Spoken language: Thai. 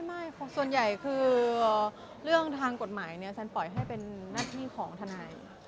ไม่ส่วนใหญ่คือเรื่องทางกฎหมายเนี่ยแซนปล่อยให้เป็นหน้าที่ของทนาย